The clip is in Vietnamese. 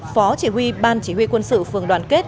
phó chỉ huy ban chỉ huy quân sự phường đoàn kết